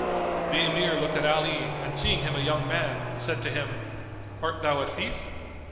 The Emir looked at Ali and seeing him a young man, said to him, "Art thou a thief?"